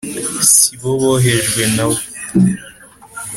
Si bo bohejwe na we